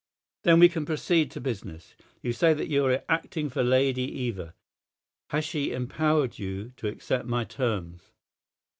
"Then we can proceed to business. You say that you are acting for Lady Eva. Has she empowered you to accept my terms?"